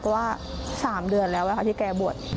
เพราะว่า๓เดือนแล้วที่แกบวช